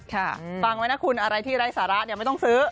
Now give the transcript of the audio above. ค่ะฟังไหมนะคุณอะไรที่ไร้สาระไม่ต้องซื้อ